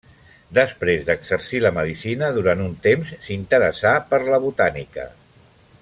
Després d'exercir la medicina durant un temps s'interessà per la botànica.